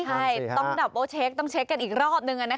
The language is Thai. ใช่ต้องแบบว่าเช็คต้องเช็คกันอีกรอบนึง